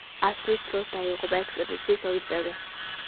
ასვლის დროს დაიღუპა ექსპედიციის ორი წევრი.